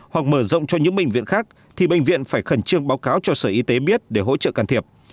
hoặc mở rộng cho những bệnh viện khác thì bệnh viện phải khẩn trương báo cáo cho sở y tế biết để hỗ trợ can thiệp